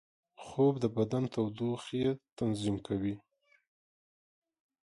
خوب د بدن تودوخې تنظیم کوي